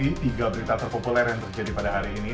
di tiga berita terpopuler yang terjadi pada hari ini